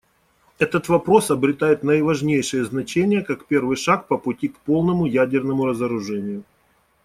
Этот вопрос обретает наиважнейшее значение как первый шаг по пути к полному ядерному разоружению.